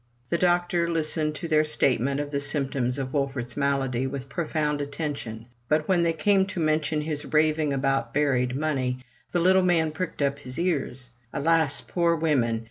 The doctor listened to their statement of the symptoms of Wolfert's malady with profound attention; but when they came to mention his raving about buried money, the little man pricked up his ears. Alas, poor women